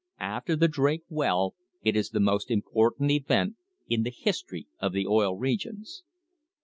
After the Drake well it is the most important event in the history of the Oil Regions.